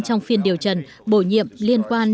trong phiên điều trần bổ nhiệm liên quan